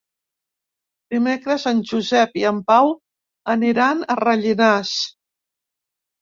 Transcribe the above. Dimecres en Josep i en Pau aniran a Rellinars.